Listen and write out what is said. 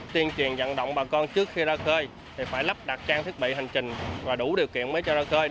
tiên truyền dặn động bà con trước khi ra khơi phải lắp đặt trang thiết bị hành trình và đủ điều kiện mới cho ra khơi